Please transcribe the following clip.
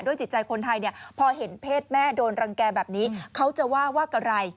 จิตใจคนไทยเนี่ยพอเห็นเพศแม่โดนรังแก่แบบนี้เขาจะว่าว่าอะไร